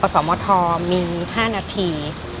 สมทมี๕นาที